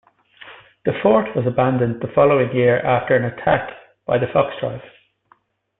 The fort was abandoned the following year after an attack by the Fox tribe.